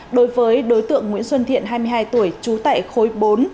đối với đối tượng nguyễn xuân thiện hai mươi hai tuổi trú tại khối bốn